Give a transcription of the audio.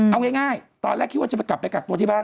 เอาง่ายตอนแรกคิดว่าจะไปกลับไปกักตัวที่บ้าน